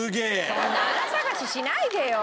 そんなあら探ししないでよ。